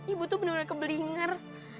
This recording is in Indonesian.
ibu tuh bener bener kebelinger